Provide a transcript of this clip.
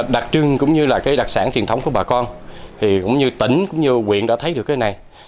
đặc trưng cũng như đặc sản truyền thống của bà con tỉnh cũng như quyền đã thấy được cái này